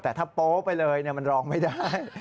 แต่ถ้าโป๊ไปเลยมันร้องไม่ได้